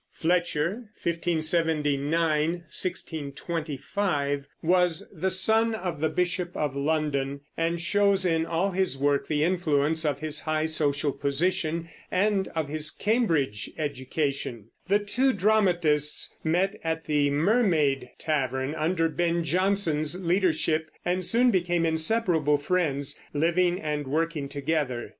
Fletcher (1579 1625) was the son of the bishop of London, and shows in all his work the influence of his high social position and of his Cambridge education. The two dramatists met at the Mermaid tavern under Ben Jonson's leadership and soon became inseparable friends, living and working together.